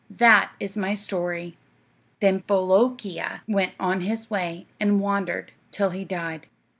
That is my story.' "Then Bolookeea went on his way, and wandered till he died."